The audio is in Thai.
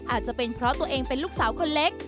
อาจจะเป็นเพราะตัวเองเป็นลูกสาวคนเล็ก